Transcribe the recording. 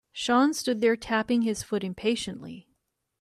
Sean stood there tapping his foot impatiently.